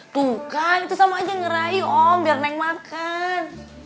bukan itu sama aja ngerayu om biar neng makan